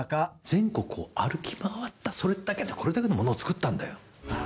全国を歩き回った、それだけでこれだけのものを作ったんだよ。